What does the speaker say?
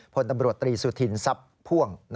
พลตำรวจตรีสุธินทรัพย์พ่วง